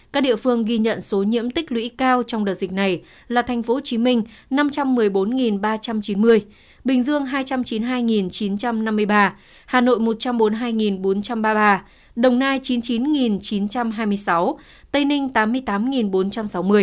các địa phương ghi nhận số nhiễm tích lũy cao trong đợt dịch này là tp hcm năm trăm một mươi bốn ba trăm chín mươi bình dương hai trăm chín mươi hai chín trăm năm mươi ba hà nội một trăm bốn mươi hai bốn trăm ba mươi ba đồng nai chín mươi chín chín trăm hai mươi sáu tây ninh tám mươi tám bốn trăm sáu mươi người